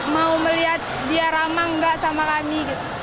mau melihat dia ramah nggak sama kami